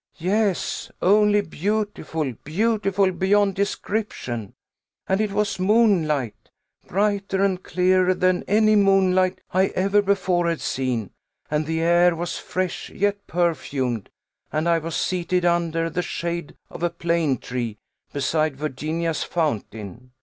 "Yes; only beautiful, beautiful beyond description! And it was moonlight, brighter and clearer than any moonlight I ever before had seen; and the air was fresh yet perfumed; and I was seated under the shade of a plane tree, beside Virginia's fountain."